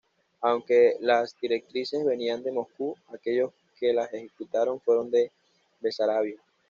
Aunque las directrices venían de Moscú, aquellos que las ejecutaron fueron de Besarabia.